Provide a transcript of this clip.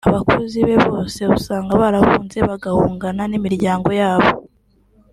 Abakozi be bose usanga barahunze bagahungana n’imiryango yabo